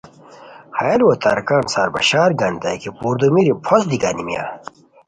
ہیہُ لوؤ ترکان سار بشار گانیتائے کی پردومیری پھوست دی گانیمیہ